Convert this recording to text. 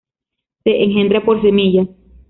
Se engendra por semillas.